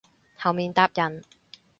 後面搭人